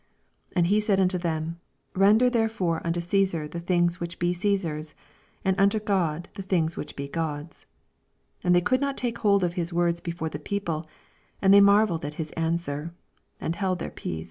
25 And he said unto them, Bender therefore unto Csesarthe things which be Caesar's, and unto God the things which he God's. 26 And they oould not take hold of his words before the people : and they marvelled at held their peace. his answer, and LUKE, CHAP. XX.